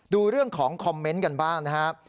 ดูเรื่องของคอมเมนต์กันบ้างนะครับ